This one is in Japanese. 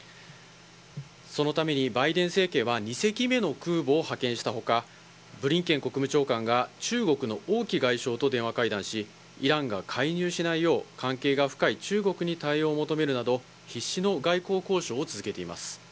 そのためにバイデン政権は、２隻目の空母を派遣したほか、ブリンケン国務長官が中国の王毅外相と電話会談し、イランが介入しないよう、関係が深い中国に対応を求めるなど、必死の外交交渉を続けています。